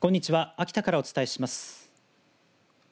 秋田からお伝えします。